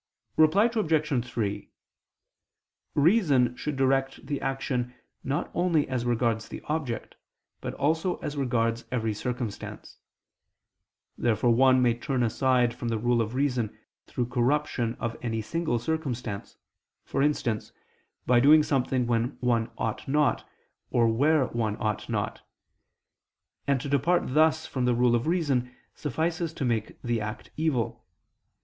Reply Obj. 3: Reason should direct the action not only as regards the object, but also as regards every circumstance. Therefore one may turn aside from the rule of reason through corruption of any single circumstance; for instance, by doing something when one ought not or where one ought not; and to depart thus from the rule of reason suffices to make the act evil.